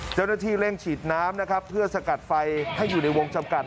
เจ้าหน้าที่เร่งฉีดน้ำนะครับเพื่อสกัดไฟให้อยู่ในวงจำกัด